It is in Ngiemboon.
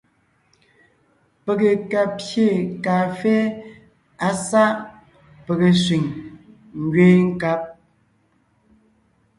Pege ka pyé kàafé á sáʼ pege sẅiŋ ngẅeen nkab.